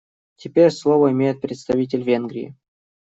А теперь слово имеет представитель Венгрии.